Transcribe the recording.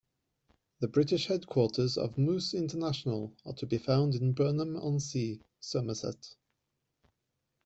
The British Headquarters of Moose International are to be found in Burnham-on-Sea, Somerset.